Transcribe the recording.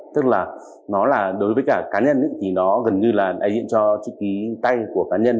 tức là nó là đối với cả cá nhân thì nó gần như là đại diện cho chữ ký tay của cá nhân